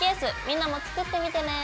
みんなも作ってみてね。